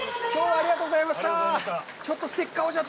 ありがとうございます。